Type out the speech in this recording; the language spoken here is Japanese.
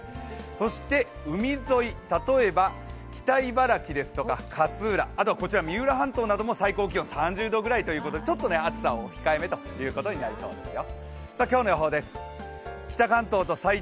そして海沿い、例えば北茨城ですとか勝浦、あとはこちら三浦半島などでも最高気温が３０度ぐらいということでちょっと暑さ控えめということになりそうですよ。